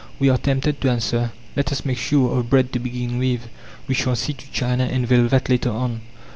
We are tempted to answer: Let us make sure of bread to begin with, we shall see to china and velvet later on.